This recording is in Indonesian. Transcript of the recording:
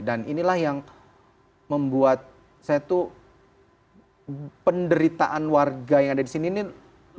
dan inilah yang membuat saya tuh penderitaan warga yang ada di sini ini luar biasa